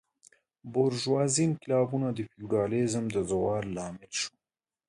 بورژوازي انقلابونه د فیوډالیزم د زوال لامل شول.